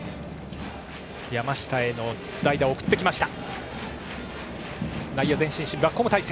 山下への代打を送ってきました。